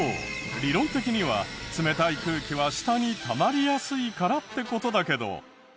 理論的には冷たい空気は下にたまりやすいからって事だけど。